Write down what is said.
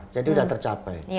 jadi sudah tercapai